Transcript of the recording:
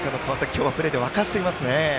今日はプレーで沸かせていますね。